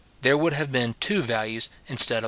There would have been two values instead of one.